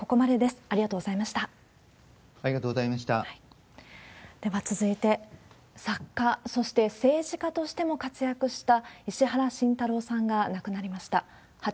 では続いて、作家、そして政治家としても活躍した石原慎太郎さんが亡くなりました。